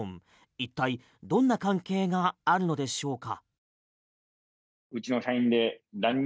一体、どんな関係があるのでしょうか？